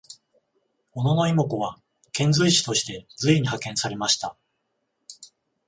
小野妹子は遣隋使として隋に派遣されました。